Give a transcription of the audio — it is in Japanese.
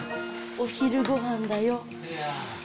お昼ごはんだよ。